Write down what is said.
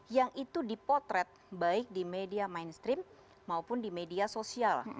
yang itu dipotret baik di media mainstream maupun di media sosial